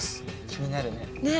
気になるね？ね？